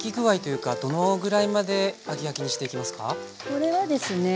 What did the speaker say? これはですね